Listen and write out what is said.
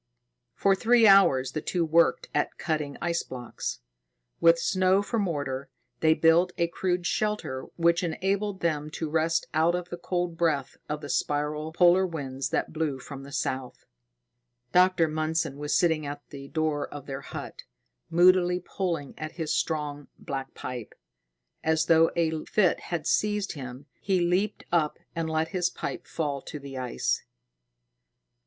For three hours the two worked at cutting ice blocks. With snow for mortar, they built a crude shelter which enabled them to rest out of the cold breath of the spiral polar winds that blew from the south. Dr. Mundson was sitting at the door of their hut, moodily pulling at his strong, black pipe. As though a fit had seized him, he leaped up and let his pipe fall to the ice.